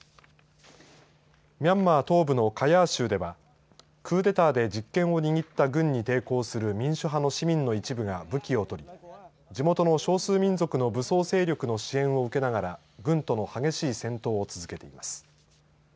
ミャンマー東部のカヤー州ではクーデターで実権を握った軍に抵抗する民主派の市民の一部が武器を取り地元の少数民族の武装勢力の支援を受けながら軍との激しい戦闘を続けています。